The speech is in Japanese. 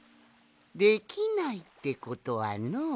できないってことはのう。